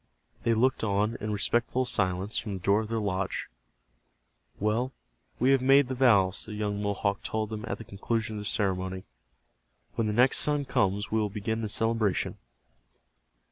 They looked on in respectful silence from the door of their lodge. "Well, we have made the vows," the young Mohawk told them at the conclusion of the ceremony. "When the next sun comes we will begin the celebration."